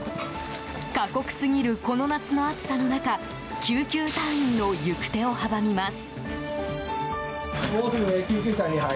過酷すぎるこの夏の暑さの中救急隊員の行く手を阻みます。